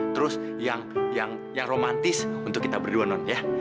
terus yang romantis untuk kita berdua non ya